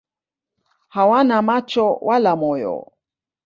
Hawana macho wala moyo.